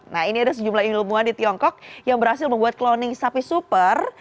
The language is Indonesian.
nah ini ada sejumlah ilmuwan di tiongkok yang berhasil membuat cloning sapi super